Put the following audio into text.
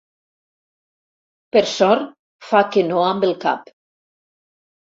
Per sort fa que no amb el cap.